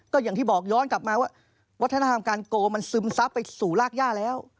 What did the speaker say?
ก็อย่างที่บอกย้อนกลับมาว่าวัฒนธรรมการโกมันซึมซับไปสู่รากย่าแล้ว